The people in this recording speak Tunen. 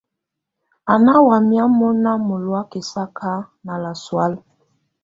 A ná wàya mɔna mɔloɔ̀̀á kɛsaka nà lasɔálɛ̀.